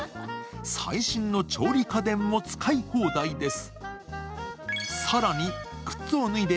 最新の調理家電も使い放題です。